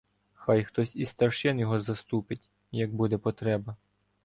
Хай хтось зі старшин його заступить, як буде потреба.